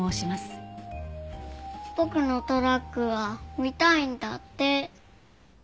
僕のトラックが見たいんだって。